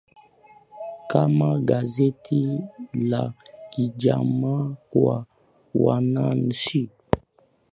kama Gazeti la Kijamaa kwa Wananchi